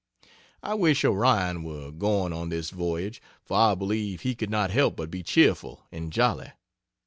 I wish Orion were going on this voyage, for I believe he could not help but be cheerful and jolly.